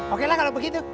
oke lah kalau begitu